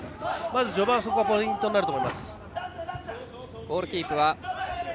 序盤、そこがポイントになると思います。